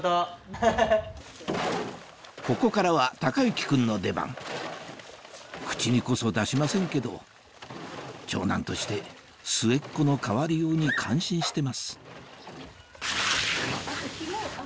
ここからは孝之君の出番口にこそ出しませんけど長男として末っ子の変わりように感心してます